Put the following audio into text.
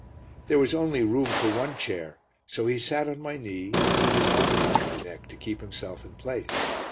There was only room for one chair, so he sat on my knee and put his arm round my neck to keep himself in place.